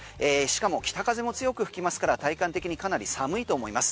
北風も強く吹きますから体感的にかなり寒いと思います。